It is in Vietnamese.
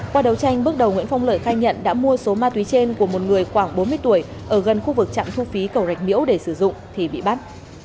qua đấu tranh bước đầu nguyễn phong lợi khai nhận đã mua số ma túy trên của một người khoảng bốn mươi tuổi ở gần khu vực trạm thu phí cầu rạch miễu để sử dụng thì bị bắt